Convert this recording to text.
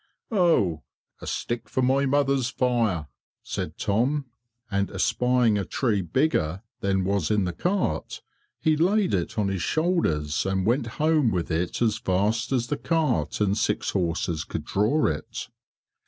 "Oh, a stick for my mother's fire," said Tom; and espying a tree bigger than was in the cart, he laid it on his shoulders and went home with it as fast as the cart and six horses could draw it.